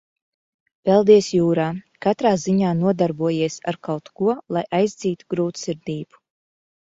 Peldies jūrā, katrā ziņā nodarbojies ar kaut ko, lai aizdzītu grūtsirdību.